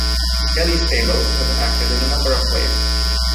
Kelly Stables has acted in a number of plays.